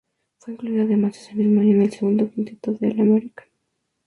Fue incluido además ese mismo año en el segundo quinteto del All-American.